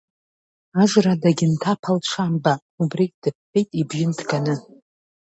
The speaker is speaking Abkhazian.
Ажра дагьынҭаԥалт Шамба, убригь дыҳәҳәеит ибжьы нҭганы…